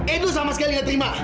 nu sama sekali gak terima